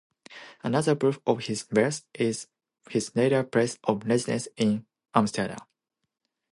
Another proof of his wealth is his later place of residence in Amsterdam.